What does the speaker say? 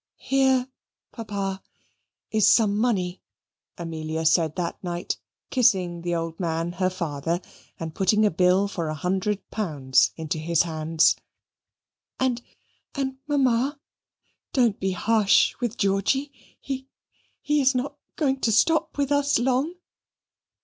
"Here, Papa, is some money," Amelia said that night, kissing the old man, her father, and putting a bill for a hundred pounds into his hands. "And and, Mamma, don't be harsh with Georgy. He he is not going to stop with us long."